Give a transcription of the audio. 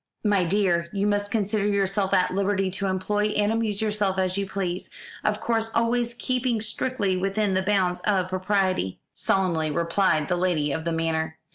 "My dear, you must consider yourself at liberty to employ and amuse yourself as you please, of course always keeping strictly within the bounds of propriety," solemnly replied the lady of the manor.